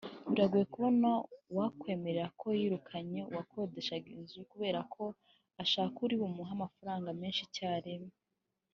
Biragoye kubona uwakwemera ko yirukanye uwo yakodeshaga inzu kubera ko ashaka uri bumuhe amafaranga menshi icyarimwe